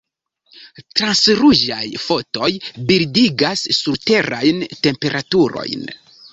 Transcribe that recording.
Transruĝaj fotoj bildigas surterajn temperaturojn.